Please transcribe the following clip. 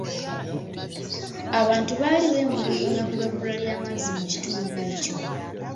Abantu baali beemulugunya ku lw'ebbula ly'amazzi mu kitundu ekyo.